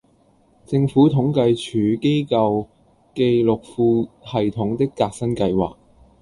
政府統計處機構記錄庫系統的革新計劃